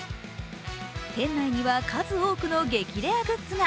店内には数多くの激レアグッズが。